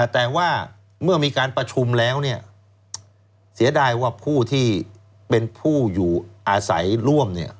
แต่ว่าเมื่อมีการประชุมแล้วเสียดายว่าผู้ที่เป็นผู้อยู่อาศัยร่วม